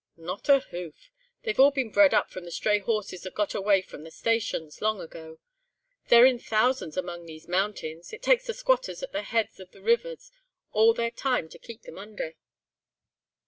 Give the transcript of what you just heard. "Not a hoof. They've all been bred up from the stray horses that got away from the stations, long ago. They're in thousands among these mountains. It takes the squatters at the heads of the rivers all their time to keep them under."